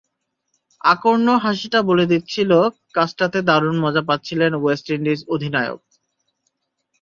আকর্ণ হাসিটা বলে দিচ্ছিল, কাজটাতে দারুণ মজা পাচ্ছিলেন ওয়েস্ট ইন্ডিজ অধিনায়ক।